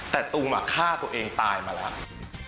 แต่ตุมฆ่าตัวเองตายมาแล้ว